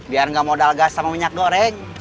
biar nggak modal gas sama minyak goreng